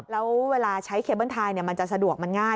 แล้วเวลาใช้เคเบิ้ลไทยมันจะสะดวกมันง่าย